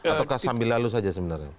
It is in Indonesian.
ataukah sambil lalu saja sebenarnya